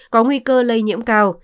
có nguy cơ lây nhiễm cao